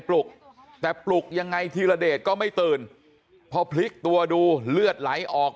ปลุกแต่ปลุกยังไงธีรเดชก็ไม่ตื่นพอพลิกตัวดูเลือดไหลออก